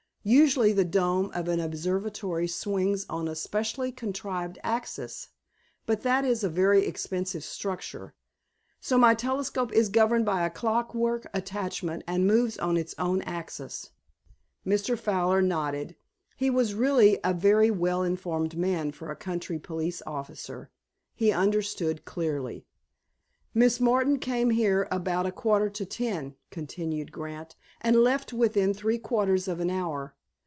"Usually, the dome of an observatory swings on a specially contrived axis, but that is a very expensive structure, so my telescope is governed by a clockwork attachment and moves on its own axis." Mr. Fowler nodded. He was really a very well informed man for a country police officer; he understood clearly. "Miss Martin came here about a quarter to ten," continued Grant, "and left within three quarters of an hour.